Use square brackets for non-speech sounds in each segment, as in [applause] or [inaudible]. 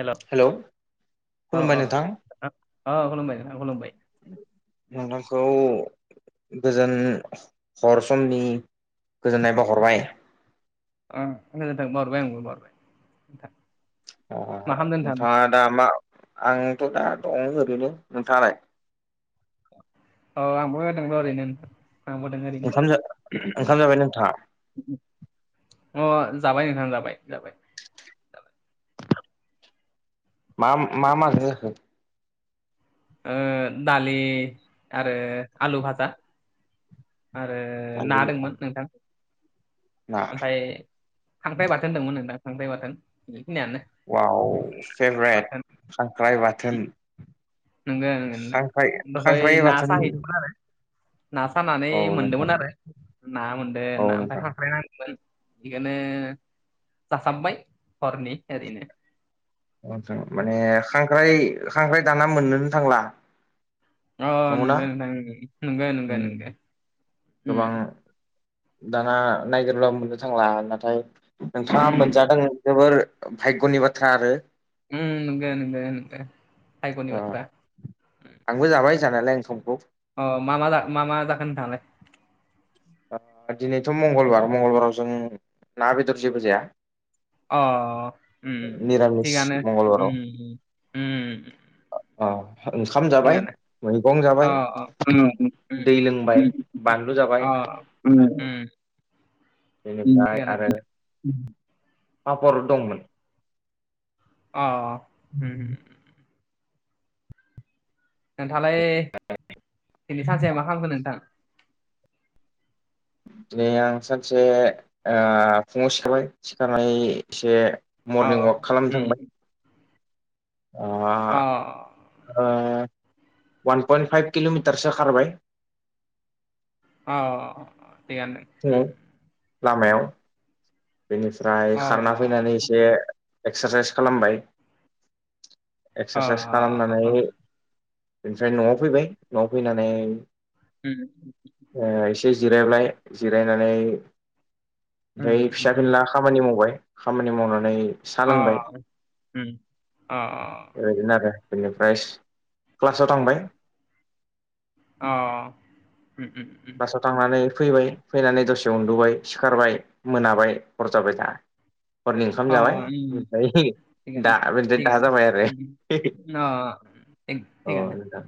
हेल' अ हेलौ अ खुलुमबाय नोंथां नोंथां अ खुलुमबाय खुलुमबाय नोंथांखौ गोजोन हर समनि गोजोननाय बा हरबाय औ गोजोनथों बावहरबाय आंबो बावहरबाय नोंथां मा खालामदों नोंथां नोंथाङा दा मा आंथ' दा दङ ओरैनो नोंथाङालाय औ आंबो दोङो ओरैनो आंबो दों ओरैनो ओंखाम ओंखाम जाबाय नोंथाङा अ जाबाय नोंथां जाबाय जाबाय मा मा [unintelligible] होखो ओ दलि आरो आलु भाजा आरो ना दालि दंमोन नोंथां ना ओमफाय खांख्राइ बाथोन दंमोन नोंदां खांथ्राइ बाथोन बेखिनियानो आव फेभ्रेट खांख्राइ बाथोन नोंगो नों नों खांख्राइ दहाय खांख्राइ ना बाथोन साहैदोंमोन आरो ना सानानै औ नोंथां मोनदोंमोन आरो ना मोनदों औ ना ओमफ्राय नोंथां खांख्राय नांगदोंमोन बेखौनो जासाबबाय हरनि ओरैनो माने खांख्राइ खांख्राइ दाना मोननोनो थांला औ नंगौ नोंथां नंगौ औ नंगौ नंगौ गोबां उम दाना नायगिरब्ला मोननो थांला नाथाय उम नोंथाङा नंगौ मोनजादों जोबोर भायग'नि बाथ्रा आरो ओम नोंगो नोंगो भायगनि ओ बाथ्रा आंबो जाबाय जानायालाय ओंखामखौ ओ अ मा मा मा मा जाखो नोंथाङालाय दिनैथ' मंगलबार मंगलबाराव जों ना बेदर जेबो जाया अ ओम ओम निरामिस थिखानो मंगलबाराव ओम ओम ओम ओंखाम जाबाय मैगं अ जाबाय उम दै लोंबाय बानलु अ जाबाय [unintelligible] बेनिफ्राय थिगानो आरो पापर दंमोन अ ओम ओम नोंथालाय दिनै सानसेया मा खालामगोन नोंथां दिनै आं सानसे फुङाव सिखारबाय सिखारनाय एसे अ मरनिं अवाक खालाम उम थांबाय अ अ ओ वान पइन्ट फाइभ किल'मिटारसो खारबाय औ थिगानो दङ फुङाव लामायाव बेनिफ्राय अ खारना फैनानै एसे एक्सारसाइस खालामबाय अ एक्सारसाइस खालामनानै अ बेनिफ्राय न'आव फैबाय न'आव फैनानै ओम ओ एसे जिरायबाय जिरायनानै ओम ओम आदोन ला खामानि मावबाय खामानि मावनानै साहा अ लोंबाय ओम अ अ बेबायदिनो आरो बेनिफ्राय क्लासाव थांबाय अ उम उम उम थ'थांनानै फैबाय फैनानै दसे उन्दुबाय सिखारबाय मोनाबाय हर जाबाय दा हरनि ओंखाम अ जाबाय उम ओमफ्राय थिगानो दा बेसे दा थिगानो जाबाय आरो उम थिग अ थिगानो नोंथां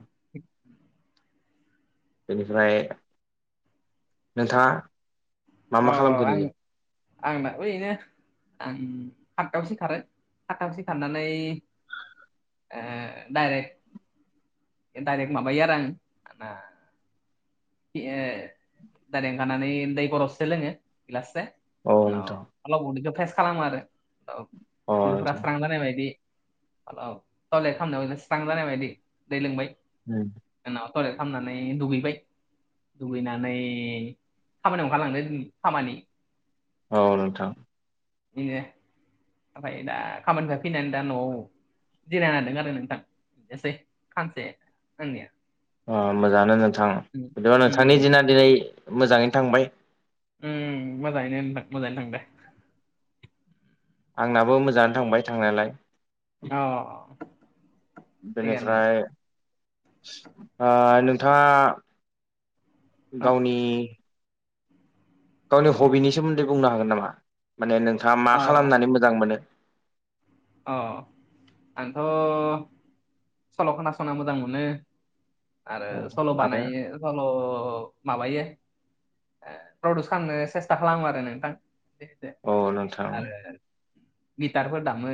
बेनिफ्राय नोंथाङा मा अ मा खालामखो आ दिनै आंनाबो इनो आं फतथायाव सि खारो फाथाव सि खारनानै डारेक ए दाइरेख माबायो आरो आंङो ना [unintelligible] लोङो गिलाससे औ नोंथां उव उदैखौ फेस खालामो आरो औ अ नोंथां फुलिफास्रांलानाय बायदि टयलेट खालामनायाव स्रांजानाय बायदि दै लोंबाय उ उोंनाव टयलेट खालामनानै दुगैबाय दुगैनानै खामानि ओंखारलांदो खामानि औ नोंथां इे ओमफ्राय दा खामानिफाय फैनानै दा न'आव गनाय नदों आरो नोंथांनोसै खानसे आंनिया अ मोजाङानो नोंथां उम बिदिबा नोंथांनि उम दिना दिनै मोजाङैनो थांबाय उ मोजाङै नोंथां मोजाङैनो थां दो आंनाबो मोजाङानो थांबाय थांनायालाय। अ थिगानो बेनिफ्राय ओ नोंथाङा नों गावनि गावनि हबिनि सोमोन्दै बुंनो हागोन नामा माने नोंथाङा मा अ औ खालामनानै मोजां मोनो? अ आंथ' सल' खोनासंनो मोजां मोनो आरो औ सल' आरो बानायो। ल' माबायो ओ प्रडिउस खालामनो सेस्था खालामो आरो नोंथां। एसे एसे औ नोंथां आरो गिटारफोर दामो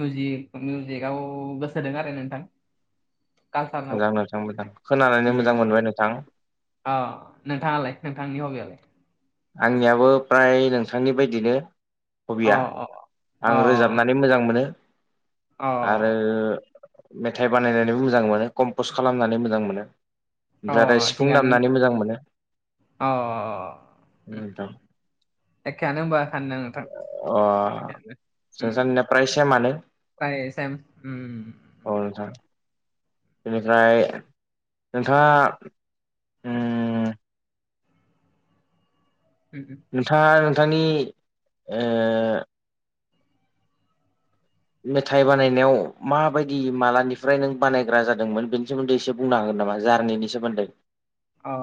मिउजिक मिउजिकआव गोसो होदों आरो नोंथां। कालसाराव नंगौ नोंथां मोजां खोनानानैनो मोजां मोनबाय नोंथां। औ नोंथाङालाय नोंथांनि हबियालाय? आंनियाबो फ्राय नोंथांनि बायदिनो अ हबिया अ आं अ रोजाबनानै मोजां मोनो अ आरो मेथाइ बानायनानैबो मोजां मोनो कमपस खालामनानै मोजां मोनो। अ ओमफ्राय आरो सिफुं थिगानो होमबा। दामनानै मोजां मोनो। अ न द [unintelligible] एखेयानो होनबा सानैना नोंथां। अ एखेयानो जों उम सानैना प्राय सेमानो। फ्राय सेम उम औ नोंथां। बेनिफ्राय नोंथाङा ओम उम ओम नोंथाङा नोंथांनि ओ मेथाइ बानायनायाव माबायदि मालानिफ्राय नों बानायग्रा जादोंमोन बेनि सोमोन्दै एसे बुंन हांगोन नामा जार्नि सोमोन्दै? अ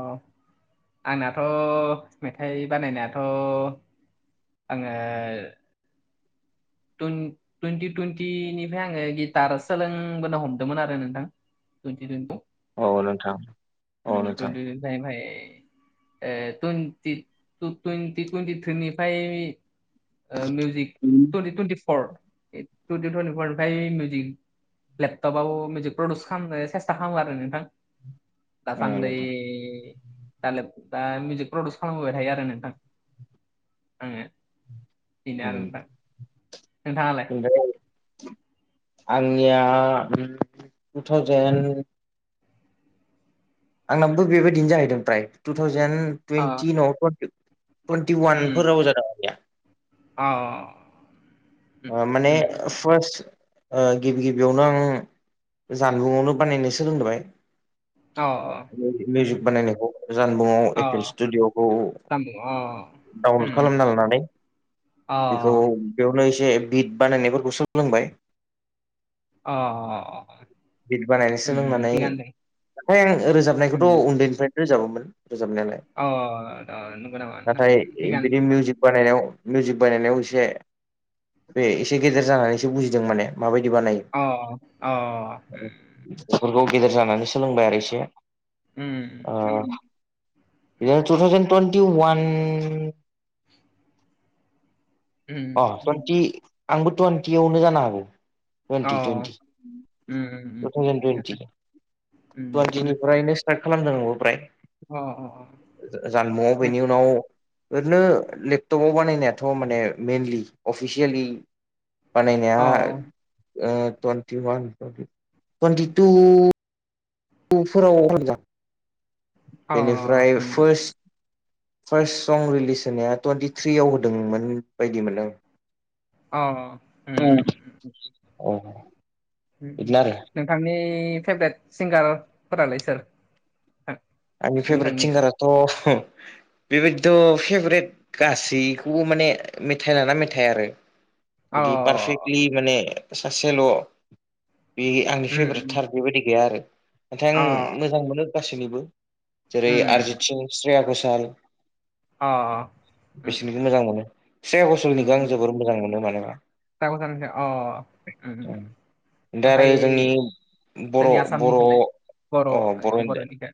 आंनाथ' मेथाइ बानायनायाथ' आङो टुन-टुइन्टि टुइन्टिनिफ्राय आङो गिटार सोलोंबोनो हमदोंमोन आरो नोंथां। टुइन्टि टुइन्टि औ नोंथां औ ओम नोंथां टुइन्टि निफ्राय ओमफ्राय ओ टुन्टि थु टुइन्टिथ्रिनिफ्राय ओ मिउजिक टुन्टि टुइन्टिपर टुइन्टिपर निफ्राय मिउजिक लेपटपबाबो मिउजिक प्रडिउस खालामनाय सेस्था खालामो आरो नोंथां। औ दासान्दै नोंथां दाले दा मिउजिक प्रडिउस खालामबोबाय थायो आरो नोंथां आङो बेनो आरो नोंथां नोंथाङालाय? ओमफ्राय आंनिया ओम टु थावजेेन आंनाबो बेबायदिनो जाहैदों फ्राय टु थावजेेन अ टुवन्टि नङाबा पर टुवेन्टि उम वानफोराव जादों आंनिया। अ उम आ माने उम फार्स्ट ओ गिबि गिबियावनो आं जानबुंआवनो बानायनो सोलोंदोंबाय। मिउजिक बानायनायखौ जानबुंयाव एपल स्टुडिय'खौ डाउनलड खालामना लानानै अ बेखौ बेयावनो एसे बिद बानायनायफोरखौ सोलोंबाय। अ बिट बानायनोसोलोंनानै मेथाय आं रोजाबनायखौथ' उन्दैनिफ्रायनो रोजाबोमोन। रोजाबनायालाय नाथाय बिदि मिउजिक बानायनायाव मिउजिक बानायनायाव एसे बे एसे गेदेर जानानैसो बुजिदों माने माबायदि बानायो। अ अ। बेफोरखौ गेदेर जानानै सोलोंबाय आरो एसे। उम। या टु थावजेन टन्टि वान अ टुवन्टि आंबो टुवन्टियावनो जानो हागौ। Twenty twenty two thousand twenty. Twenty निफ्रायनो स्टार्ट खालामदों आंबो फ्राय जानबुंआव बेनि उनाव ओरैनो लेपटपाव बानायनायाथ' माने मइेनलि अफिसियेलि बानायनाया ओ टुन्टि वान टुन्टिटु उफोराव हनजां बेनिफ्राय फार्स्ट फार्स्ट सं रिलिज होनाया टुवन्टिथ्रिआव होदोंमोन बायदि मोन आ। अ उम अ उम। बिदिनो आरो नोंथांनि फेभरेट सिंगारफोरालाय सोर? आंनि फेभरेट नोंथांनिया सिंगाराथ' बेबायदिथ' फेभरेट गासैखौबो माने मेथाइ लाना मेथाइ आरो। बिुदि पारफेक्टलि माने सासेल' बे आंनि फेभरेट थार बेबायदि गैया आरो। नाथाय आं मोजां मोनो गासैनिबो जेरै आरजित, स्रिया घसाल। अ। बिसोरनिखौ मोजां मोनो सेया घसालनिखौ आं जोबोर मोजां मोनो मानोबा। [unintelligible] अ उम उम। दा आरो ओमफाय जोंनि बर' जोंनि बर' आसामनिखौलाय बर' बर'निखौ।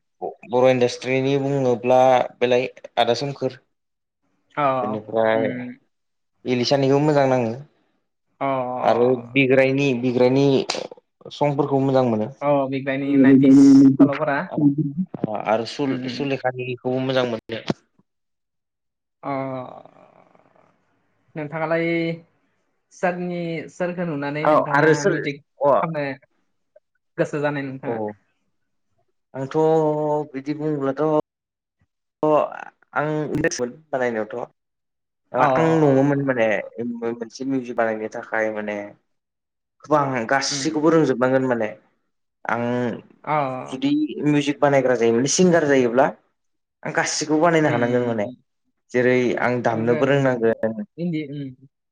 बर' इन्डास्ट्रिनि बुङोब्ला बेलाय आदा सोमखोर। बेनिफ्राय इलिसानिखोबो मोजां नाङो। आरो बिग्रायनि बिग्रायनि संफोरखौ मोजां मोनो। [unintelligible] आरो सुल- सुलेखानिखौबो मोजां मोनो। नोंथाङालाय सिारनि सोरखौ नुनानै औ नोंथाङा आरो सोर मिउजिक अ खामनो गोसो जानाय औ नोंथाङा? आंथ' बिदि बुङोब्लाथ' अ आं [unintelligible] बानायनायावथ' अ, आं नङोन माने मोनसे मिउजिक बानायनो थाखाय माने गोबां गासैखौबो उम, रोंजोब बांगोन माने आं अ, जुदि मिउजिक बानायग्रा जायोमोनाने सिंगार जायोब्ला आं गासिखौबो बानायनो हानांगोन माने। उम जेरै आं नंगौ दामनोबो नंगौ रोंनांगोन, इन्दि उम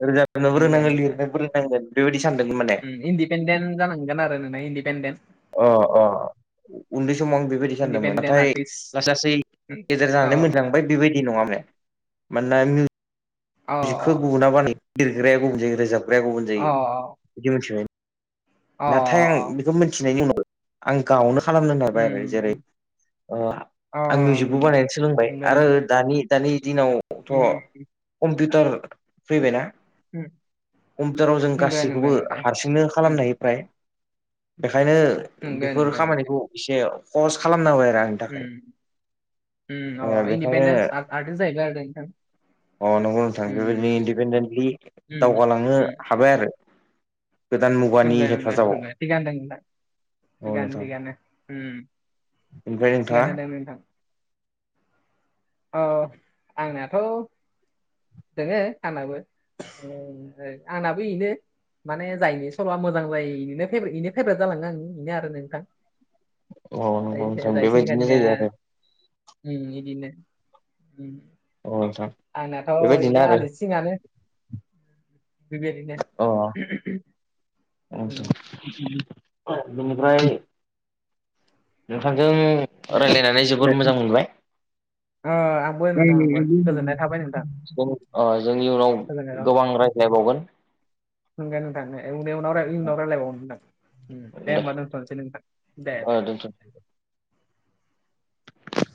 रोजाबनोबो नंगौ रोंनांगोन लिरनोबो रोंनांगोन बेबायदि सानदों माने इन्दिपेडेन्ट जानांगोन आरो नोंना इन्दिपेनडेन्ट। अ अ उन्दै समाव बे बेबायदि सानदोंमोन इन्दिपेन्डेन्ट नाथाय आर्टिस्ट लास लासै गेजेर अ जानानै मोनलांबाय बेबायदि नङा मे मोनना अ खौ गुबुना बानाय लिरग्राया गुबुन जायो रोजाबग्राया गुबुन अ जायो बिदि मिथिनाय। नाथाय आं अ बेखौ मिथिनायनि उनाव आं गावनो खालामनो नाबाय आरो जेरै उम अ आं मिउजिकबो बानायनो सोलोंबाय नंगौ आरो नंगौ दानि दानि दिनावथ' उम कम्पिउटार फैबायना, उम कम्पिउटाराव जों नंगौ नंगौ गासैखौबो नंगौ हारसिंनो उम खालामनो हायो। फ्राय बेखायनो नंगौ बेफोर नंगौ नंगौ खामानिखौ एसे सहस खालामनांगबाय आरो आं उम उमअ बेखायनो इन्दिपेडेन्स आरेन जाहैबाय आरो नोंथां। अ नंगौ नों थां बेबायदिनो उम इन्दिपेडेन्टलि उम दावगालांनो उम हाबाय आरो गोदान मुगानि नोंङा हेफाजाबाव होननाय थिगानो नोंथां औ थिगानो नोंथां थिगानो उम ओमफ्राय नोंथाङा थिगानो दे नोंथां। औ आंनाथ' दोङो आंनाबो आंनाबो इनो माने जायनि सल' मोजां जायो इनो फाय बेनो फैग्रा जालाङो आं बेनो आरो नोंथां औ नंगौ जाय नोंथां बेबायदिनो जायसिंगारनिया जायो आरो उं इदिनो उन औ नोंथां आंनाथ' बेबायदिनो इनो आरो अर्जित सिङानो [unintelligible] अ बिनिफ्राय नोंथांजों रायज्लायनानै जोबोर मोजां मोनबाय। ओ आंबो नोंथां आंबो गोजोननाय थाबाय नोंथां जोंनि उनाव गोजोननाय गोबां राय नायबावगोन। [unintelligible] ए उन उनाव उनाव रायज्लायबावनो होनांगोन दे होनोमबा दोनथ'नोसै नोंथां दे दे। [inaudible] [inaudible]